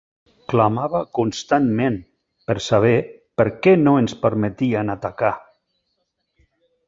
Clamava constantment per saber per què no ens permetien atacar.